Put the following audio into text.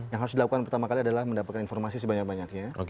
yang harus dilakukan pertama kali adalah mendapatkan informasi sebanyak banyaknya